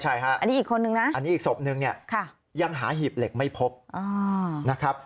อันนี้อีกศพนึงเนี่ยยังหาหีบเหล็กไม่พบ